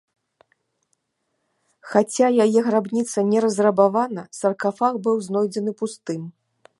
Хаця яе грабніца не разрабавана, саркафаг быў знойдзен пустым.